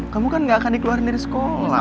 kamu kan gak akan dikeluarkan dari sekolah